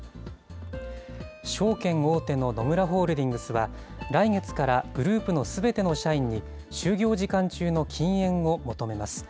証券大手の野村ホールディングスは、来月からグループのすべての社員に、就業時間中の禁煙を求めます。